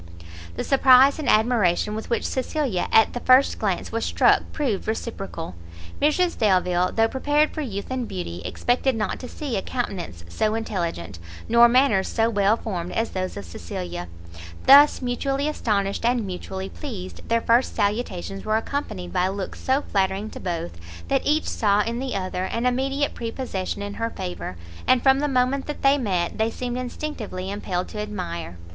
The surprise and admiration with which Cecilia at the first glance was struck proved reciprocal: Mrs Delvile, though prepared for youth and beauty, expected not to see a countenance so intelligent, nor manners so well formed as those of Cecilia: thus mutually astonished and mutually pleased, their first salutations were accompanied by looks so flattering to both, that each saw in the other, an immediate prepossession in her favour, and from the moment that they met, they seemed instinctively impelled to admire.